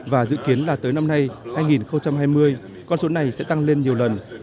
và dự kiến là tới năm nay hai nghìn hai mươi con số này sẽ tăng lên nhiều lần